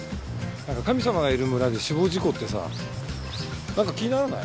なんか神様がいる村で死亡事故ってさなんか気にならない？